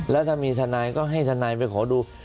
แล้วถ้ามีทนายก็ให้ทนายไปขอดู